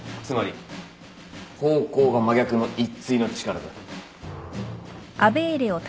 つまり方向が真逆の一対の力だ。